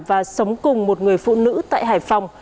và sống cùng một người phụ nữ tại hải phòng